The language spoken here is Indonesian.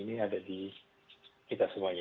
ini ada di kita semuanya